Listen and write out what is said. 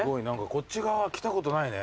こっち側は来たことないね。